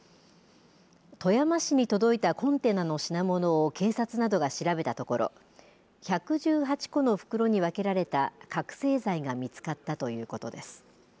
富山市に届いたコンテナの品物を警察などが調べたところ１１８個の袋に分けられた覚醒剤が見つかったということです。